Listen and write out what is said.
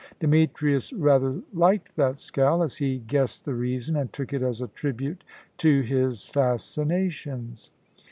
Demetrius rather liked that scowl, as he guessed the reason, and took it as a tribute to his fascinations.